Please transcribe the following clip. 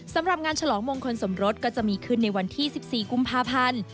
สำหรับงานฉลองมงคลสมรสก็จะมีขึ้นในวันที่๑๔กุมภาพันธ์